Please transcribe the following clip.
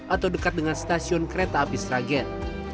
atau dekat dengan stasiun kereta api sragen